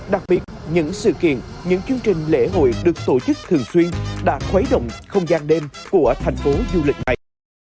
đặc biệt những sự kiện những chương trình lễ hội được tổ chức thường xuyên đã khuấy động không gian đêm của thành phố du lịch này